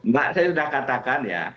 mbak saya sudah katakan ya